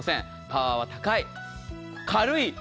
パワーは高い、軽い。